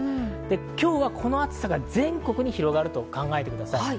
今日はこの暑さが全国に広がると考えています。